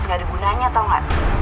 gak ada gunanya tau gak